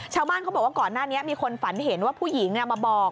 ชาวบ้านเขาบอกว่าก่อนหน้านี้มีคนฝันเห็นว่าผู้หญิงมาบอก